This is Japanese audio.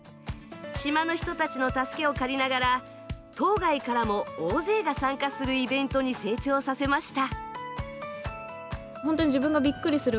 島の人たちの助けを借りながら、島外からも大勢が参加するイベントに成長させました。